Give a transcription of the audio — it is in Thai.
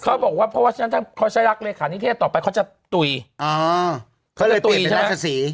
เขาบอกว่าเพราะว่าฉะนั้นทั้งเขาใช้ลักราชหนิเทศต่อไปเขาจะตุ๊ยเขาเลยตุ๋ยเป็นลักษณ์สี